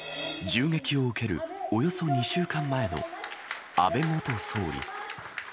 銃撃を受けるおよそ２週間前の安倍元総理。